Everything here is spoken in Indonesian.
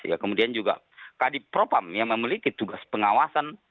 ya kemudian juga kadipropam yang memiliki tugas pengawasan